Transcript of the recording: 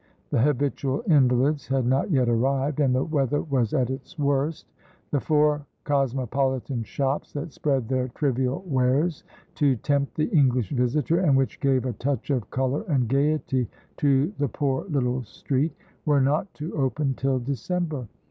The habitual invalids had not yet arrived, and the weather was at its worst. The four cosmopolitan shops that spread their trivial wares to tempt the English visitor, and which gave a touch of colour and gaiety to the poor little street, were not to open till December.